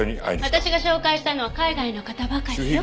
私が紹介したのは海外の方ばかりよ。